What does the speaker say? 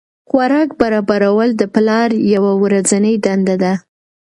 خوراک برابرول د پلار یوه ورځنۍ دنده ده.